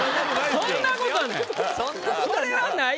そんなことはない。